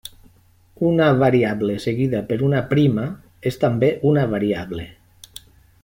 Una variable seguida per una prima és també una variable.